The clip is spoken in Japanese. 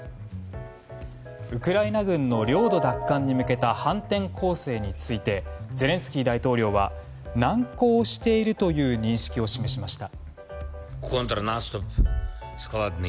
ウクライナ軍の領土奪還に向けた反転攻勢についてゼレンスキー大統領は難航しているという認識を示しました。